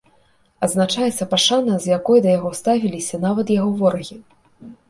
Адзначаецца пашана, з якой да яго ставіліся нават яго ворагі.